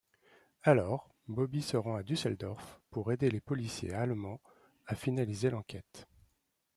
Alors, Bobby se rend à Düsseldorf, pour aider les policiers allemands a finaliser l'enquête.